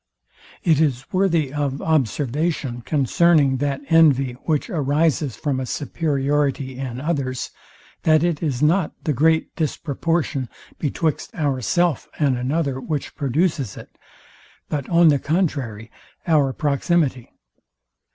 It is worthy of observation concerning that envy, which arises from a superiority in others, that it is not the great disproportion betwixt ourself and another, which produces it; but on the contrary, our proximity.